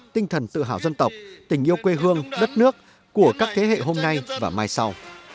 tinh thần tự hào dân tộc tình yêu quê hương đất nước của các thế hệ hôm nay và mai sau